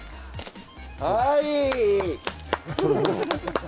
はい！